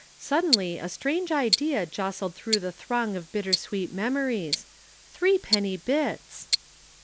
Suddenly a strange idea jostled through the throng of bitter sweet memories. _Threepenny Bits!